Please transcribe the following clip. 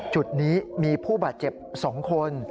จุดนี้มีผู้บาดเจ็บ๒คน